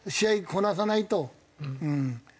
こなさないとうん。